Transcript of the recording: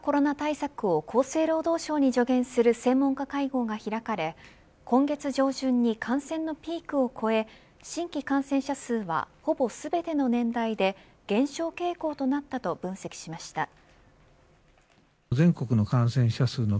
新型コロナ対策を厚生労働省に助言する専門家会合が開かれ今月上旬に感染のピークを越え新規感染者数はほぼ全ての年代で減少傾向となったと分析しました。